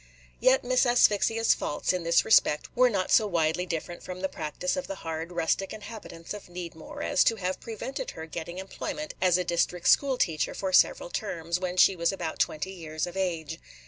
Yet Miss Asphyxia's faults in this respect were not so widely different from the practice of the hard, rustic inhabitants of Needmore as to have prevented her getting employment as a district school teacher for several terms, when she was about twenty years of age.